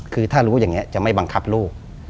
คือถ้ารู้อย่างนี้จะไม่บังคับลูก